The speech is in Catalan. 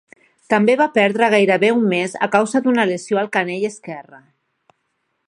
També va perdre gairebé un mes a causa d'una lesió al canell esquerre.